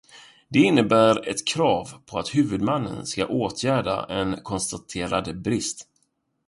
Det innebär ett krav på att huvudmannen ska åtgärda en konstaterad brist.